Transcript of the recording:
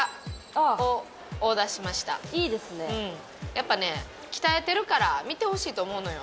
やっぱね鍛えてるから見てほしいと思うのよ。